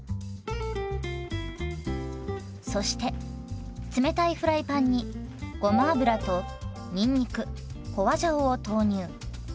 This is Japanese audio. そして冷たいフライパンにごま油とにんにく花椒を投入。